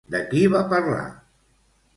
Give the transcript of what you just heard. De qui va parlar?